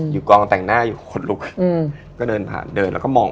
กองแต่งหน้าอยู่คนลุกอืมก็เดินผ่านเดินแล้วก็มอง